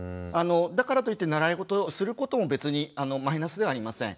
だからといって習いごとすることも別にマイナスではありません。